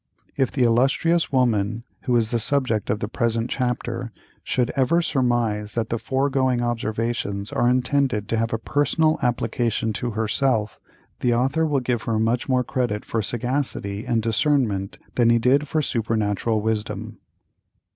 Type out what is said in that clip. If the illustrious woman who is the subject of the present chapter should ever surmise that the foregoing observations are intended to have a personal application to herself, the author will give her much more credit for sagacity and discernment than he did for supernatural wisdom.